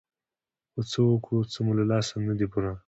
خو څه وکړو څه مو له لاسه نه دي پوره.